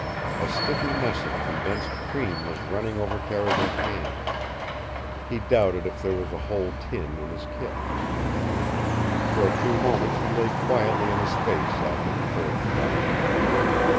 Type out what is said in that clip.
A sticky mess of condensed cream was running over Carrigan's hand. He doubted if there was a whole tin in his kit. For a few moments he lay quietly on his face after the fourth shot.